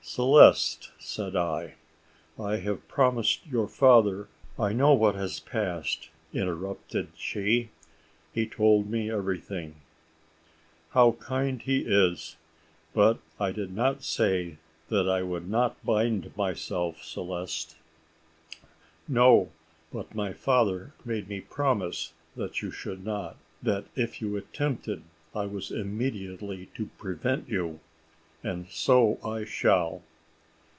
"Celeste," said I, "I have promised your father " "I know what has passed," interrupted she; "he told me everything." "How kind he is! But I did not say that I would not bind myself, Celeste." "No! but my father made me promise that you should not that if you attempted, I was immediately to prevent you and so I shall."